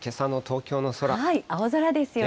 青空ですよね。